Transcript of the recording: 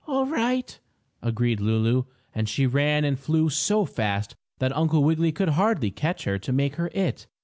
"All right," agreed Lulu, and she ran and flew so fast that Uncle Wiggily could hardly catch her to make her "it."